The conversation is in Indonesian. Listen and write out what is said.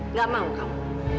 nggak mau kamu